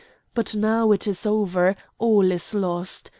But now all is over! all is lost!